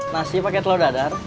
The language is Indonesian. nasi pakai telur dadar